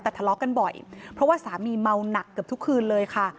แต่ทะเลาะกันบ่อยเพราะว่าสามีเมาหนักเกือบทุกคืนเลยค่ะ